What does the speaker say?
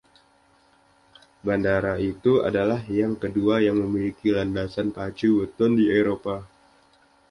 Bandara itu adalah yang kedua yang memiliki landasan pacu beton di Eropa.